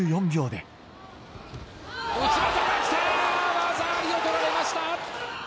技ありを取られました。